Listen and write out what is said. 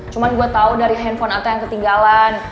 cuman gue tau dari handphone atta yang ketinggalan